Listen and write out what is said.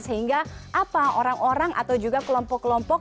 sehingga apa orang orang atau juga kelompok kelompok